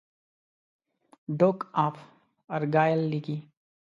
ډوک آف ارګایل لیکي.